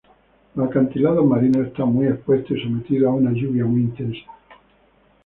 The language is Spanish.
Los acantilados marinos están muy expuestos y sometidos a una lluvia muy intensa.